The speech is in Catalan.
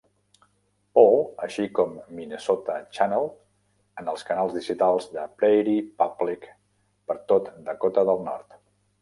Paul, així com "Minnesota Channel" en els canals digitals de Prairie Public per tot Dakota de el Nord.